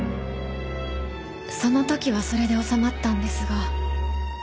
その時はそれで収まったんですが。